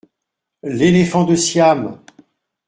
L’éléphant de Siam !